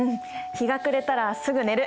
日が暮れたらすぐ寝る。